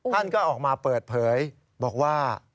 ท่านก็ออกมาเปิดเผยบอกว่า